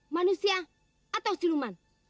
manusia atau siluman